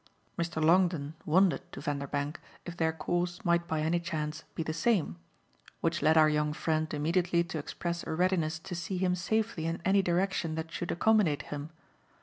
Mr. Longdon wondered to Vanderbank if their course might by any chance be the same; which led our young friend immediately to express a readiness to see him safely in any direction that should accommodate him.